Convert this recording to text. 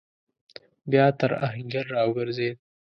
بيا تر آهنګر راوګرځېد.